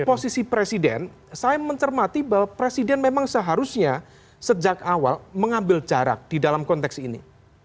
posisi presiden saya mencermati bahwa presiden memang seharusnya sejak awal mengambil jarak di dalam konteks ini